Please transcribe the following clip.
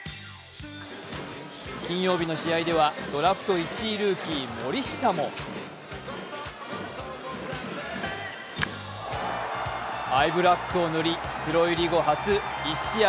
金曜日の試合ではドラフト１位ルーキー森下もアイブラックを塗りプロ入り後初、１試合